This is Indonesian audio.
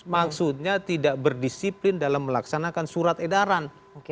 maksudnya tidak berdisiplin dalam melaksanakan surat edaran